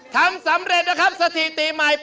ทำสำเร็จนะครับสถิติใหม่